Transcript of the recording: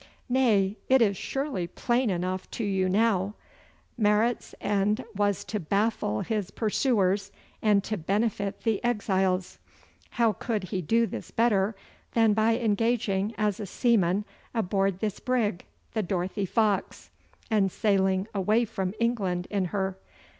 'Nay, it is surely plain enough to you now. Marot's end was to baffle his pursuers and to benefit the exiles. How could he do this better than by engaging as a seaman aboard this brig, the Dorothy Fox, and sailing away from England in her?